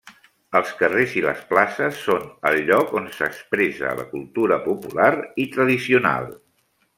Els carrers i les places són el lloc on s’expressa la cultura popular i tradicional.